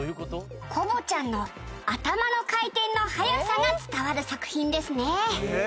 「コボちゃんの頭の回転の速さが伝わる作品ですね」